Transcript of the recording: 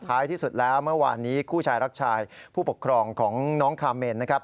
ที่สุดแล้วเมื่อวานนี้คู่ชายรักชายผู้ปกครองของน้องคาเมนนะครับ